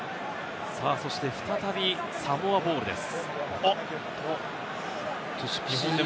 そして再びサモアボールです。